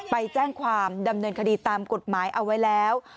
ไปแจ้งความดำเนินคดีตามกฎหมายเอาไว้แล้ว